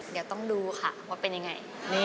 เดี๋ยวต้องดูค่ะว่าเป็นยังไง